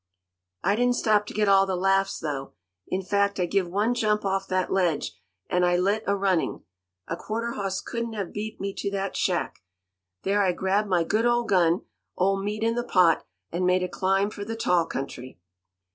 "I didn't stop to get all the laughs, though. In fact, I give one jump off that ledge, and I lit a running. A quarter hoss couldn't have beat me to that shack. There I grabbed my good old gun, old Meat in the pot, and made a climb for the tall country."